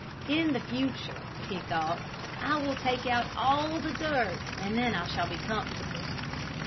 "In the future," he thought, "I will take out all the dirt and then I shall be comfortable."